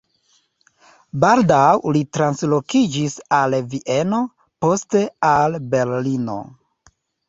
Baldaŭ li translokiĝis al Vieno, poste al Berlino.